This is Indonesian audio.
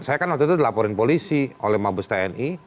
saya kan waktu itu dilaporin polisi oleh mabes tni